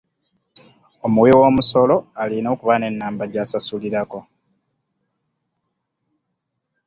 Omuwiwoomusolo alina okuba n'ennamba gy'asasulirako.